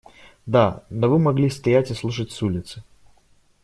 Да, но вы могли стоять и слушать с улицы.